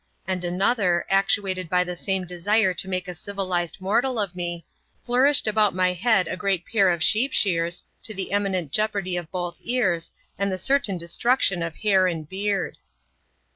and another, actuated by the same desire to make a civilised mortal of me, flourished about my head a great pair of sheep shears, to the imminent jeopardy of both ears, and the certain destruction of hair and beard.